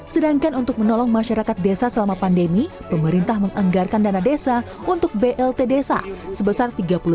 sedangkan untuk menolong masyarakat desa selama pandemi pemerintah menganggarkan dana desa untuk blt desa sebesar tiga puluh lima